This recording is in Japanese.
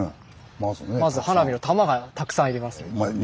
まず花火の玉がたくさん要ります。